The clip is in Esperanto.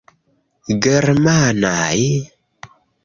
Germanaj?